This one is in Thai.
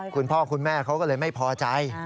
คุณพ่อคุณแม่เขาก็เลยไม่พอใจ